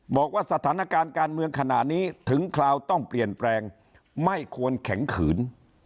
บอกว่าสถานการณ์การเมืองขณะนี้ถึงคราวต้องเปลี่ยนแปลงไม่ควรแข็งขืน